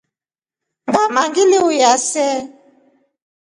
Ngʼama wliuya see.